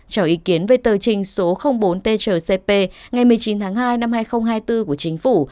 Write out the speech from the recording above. cho ý kiến về tờ trình số bốn tchp ngày một mươi chín tháng hai năm hai nghìn hai mươi bốn của chính phủ